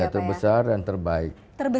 terbesar dan terbaik